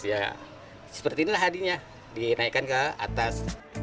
ya seperti inilah hadinya dinaikkan ke atas